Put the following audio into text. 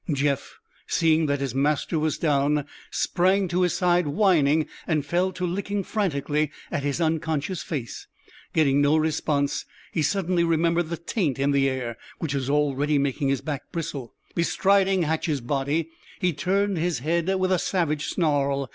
Jeff, seeing that his master was down, sprang to his side, whining, and fell to licking frantically at his unconscious face. Getting no response, he suddenly remembered the taint in the air, which was already making his back bristle. Bestriding Hatch's body, he turned his head with a savage snarl.